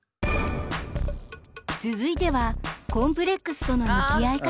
続いてはコンプレックスとの向き合い方。